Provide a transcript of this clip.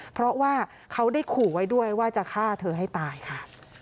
เพราะว่าเขาได้ขู่ไว้ด้วยว่าจะฆ่าเธอให้ตายค่ะ